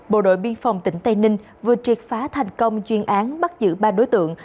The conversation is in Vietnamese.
bộ đội biên phòng tỉnh tây ninh vừa triệt phá thành công chuyên án bắt giữ ba đối tượng